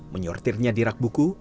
menyortirnya di rak buku